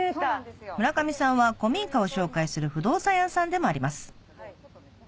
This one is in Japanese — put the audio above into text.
村上さんは古民家を紹介する不動産屋さんでもあります